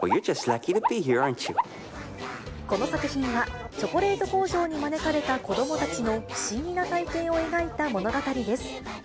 この作品は、チョコレート工場に招かれた子どもたちの不思議な体験を描いた物語です。